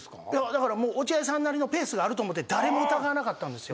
だから落合さんなりのペースがあると思って誰も疑わなかったんですよ。